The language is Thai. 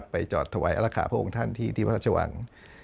ไปจอดถวายอรคาพระองค์ท่านที่พระราชวัง